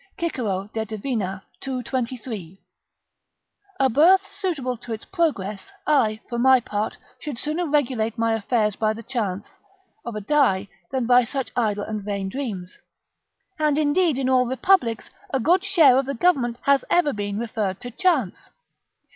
[Cicero, De Devina, ii. 23] A birth suitable to its progress; I, for my part, should sooner regulate my affairs by the chance of a die than by such idle and vain dreams. And, indeed, in all republics, a good share of the government has ever been referred to chance.